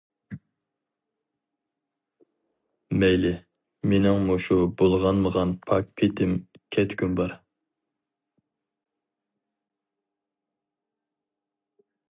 مەيلى، مىنىڭ مۇشۇ بۇلغانمىغان پاك پېتىم كەتكۈم بار.